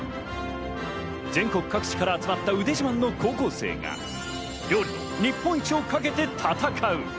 全国各地から集まった腕自慢の高校生が料理日本一を懸けて戦う。